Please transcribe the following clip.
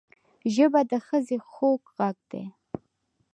ژبه د ښځې خوږ غږ دی